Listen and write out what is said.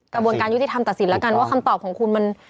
กระบวนการยุติธรรมตัดสินแล้วกันว่าคำตอบของคุณมัน